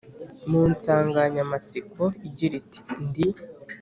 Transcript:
mu nsanganyamatsiko igira iti Ndi